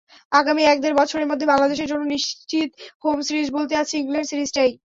আগামী এক-দেড় বছরের মধ্যে বাংলাদেশের জন্য নিশ্চিত হোম সিরিজ বলতে আছে ইংল্যান্ড সিরিজটাই।